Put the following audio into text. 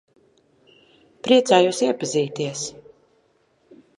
Priecājos iepazīties.